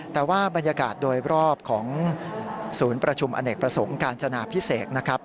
แต่ว่าบรรยากาศโดยรอบของศูนย์ประชุมอเนกประสงค์การจนาพิเศษนะครับ